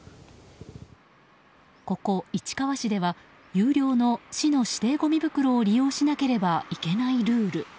ここ市川市では有料の市の指定ごみ袋を利用しなければいけないルール。